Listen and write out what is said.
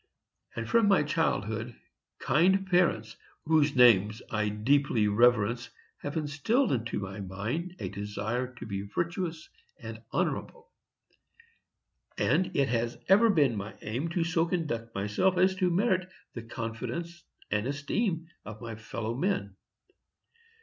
And from my childhood kind parents, whose names I deeply reverence, have instilled into my mind a desire to be virtuous and honorable; and it has ever been my aim so to conduct myself as to merit the confidence and esteem of my fellow men.